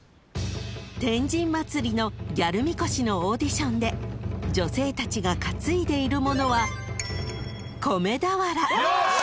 ［天神祭のギャルみこしのオーディションで女性たちが担いでいるものは］よし！